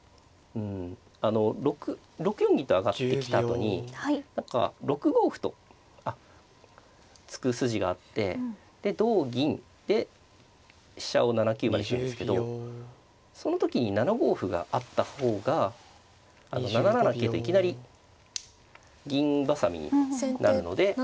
６四銀と上がってきたあとに何か６五歩と突く筋があってで同銀で飛車を７九まで引くんですけどその時に７五歩があった方が７七桂といきなり銀挟みになるので。